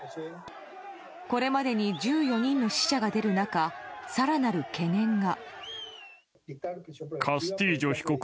これまでに１４人の死者が出る中更なる懸念が。